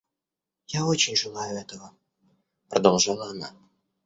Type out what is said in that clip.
Я очень желаю этого, — продолжала она.